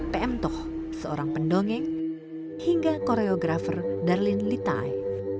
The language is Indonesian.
pm toh seorang pendongeng hingga koreografer darlin litai